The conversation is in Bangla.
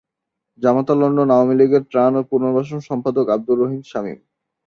জামাতা লন্ডন আওয়ামীলীগের ত্রাণ ও পুনর্বাসন সম্পাদক আব্দুর রহিম শামীম।